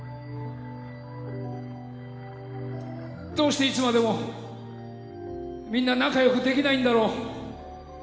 どうしていつまでもみんな仲良くできないんだろう。